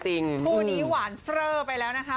ครูนี้วานเฟอร์ไปแล้วนะคะ